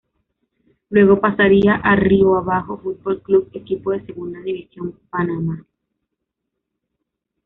Luego pasaría a Río Abajo Fútbol Club, equipo de Segunda División Panamá.